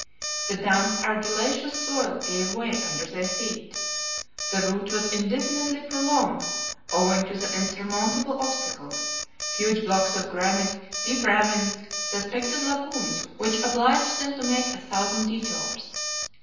The damp argillaceous soil gave way under their feet. The route was indefinitely prolonged owing to the insurmountable obstacles, huge blocks of granite, deep ravines, suspected lagoons, which obliged them to make a thousand detours.